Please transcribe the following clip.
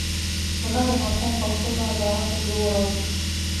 د نثر مفهوم په خپلو عباراتو کې ووایاست.